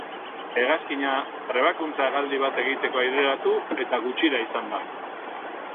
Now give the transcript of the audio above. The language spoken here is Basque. Hegazkina trebakuntza hegaldi bat egiteko aireratu eta gutxira izan da.